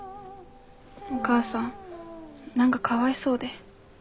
お母さん何かかわいそうで。